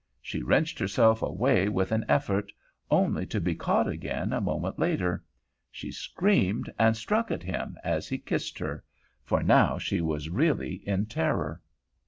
She wrenched herself away with an effort, only to be caught again a moment later. She screamed and struck at him as he kissed her; for now she was really in terror.